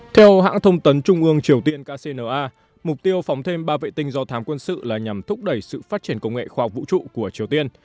theo hãng thông tấn trung ương triều tiên kcna mục tiêu phóng thêm ba vệ tinh do thám quân sự là nhằm thúc đẩy sự phát triển công nghệ khoa học vũ trụ của triều tiên